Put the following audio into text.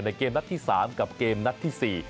เกมนัดที่๓กับเกมนัดที่๔